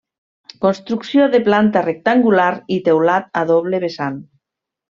Construcció de planta rectangular i teulat a doble vessant.